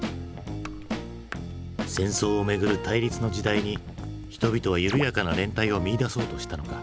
戦争をめぐる対立の時代に人々はゆるやかな連帯を見いだそうとしたのか？